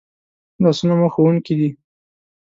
لاسونه مو ښوونکي دي